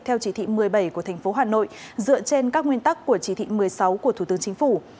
theo chỉ thị một mươi bảy của thành phố hà nội dựa trên các nguyên tắc của chỉ thị một mươi sáu của thủ tướng chính phủ